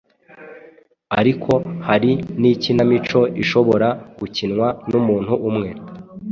Ariko hari n’ikinamico ishobora gukinwa n’umuntu umwe,